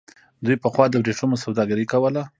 دوی پخوا د ورېښمو سوداګري کوله.